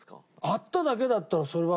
会っただけだったらそれは。